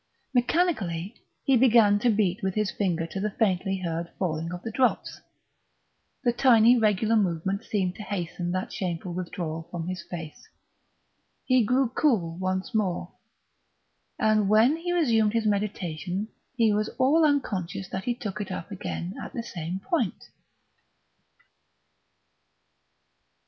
Mechanically he began to beat with his finger to the faintly heard falling of the drops; the tiny regular movement seemed to hasten that shameful withdrawal from his face. He grew cool once more; and when he resumed his meditation he was all unconscious that he took it up again at the same point....